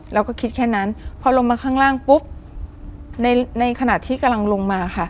เราก็คิดแค่นั้นพอลงมาข้างล่างปุ๊บในในขณะที่กำลังลงมาค่ะ